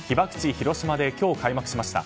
・広島で今日開幕しました。